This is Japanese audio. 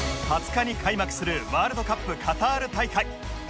２０日に開幕するワールドカップカタール大会